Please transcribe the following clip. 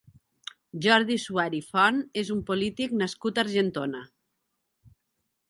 Jordi Suari Font és un polític nascut a Argentona.